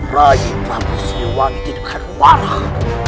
rai prabu siliwangi tidak akan marah